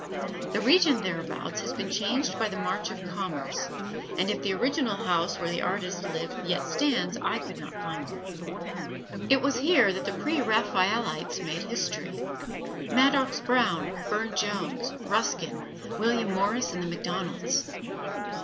The region thereabouts has been changed by the march of commerce, and if the original house where the artist lived yet stands I could not find it. It was here that the Preraphaelites made history: Madox Brown, Burne Jones, Ruskin, William Morris and the MacDonalds.